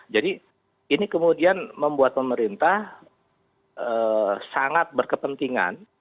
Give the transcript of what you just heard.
jadi ini kemudian membuat pemerintah sangat berkepentingan